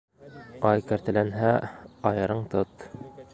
Ай кәртәләнһә, айырың тот